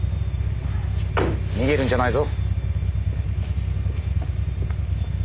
逃げるんじゃないぞ。